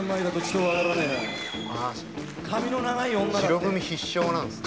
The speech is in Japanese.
白組必勝なんですね。